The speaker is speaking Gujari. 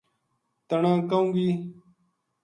تنا کہوں گی